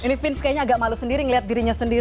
ini fins kayaknya agak malu sendiri ngelihat dirinya sendiri